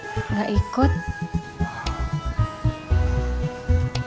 bapak tinggal dulu ya